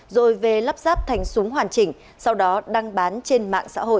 rồi về lắp ráp thành súng hoàn chỉnh sau đó đăng bán trên mạng xã hội